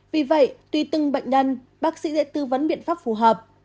vì vậy tùy từng bệnh nhân bác sĩ sẽ tư vấn biện pháp phù hợp